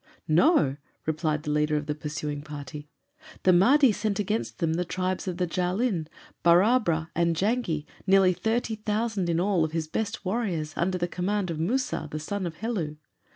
"No," replied the leader of the pursuing party. "The Mahdi sent against them the tribes of Jaalin, Barabra, and Janghey, nearly thirty thousand in all of his best warriors, under the command of Musa, the son of Helu.